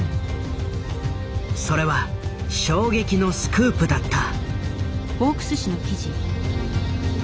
それは衝撃のスクープだった。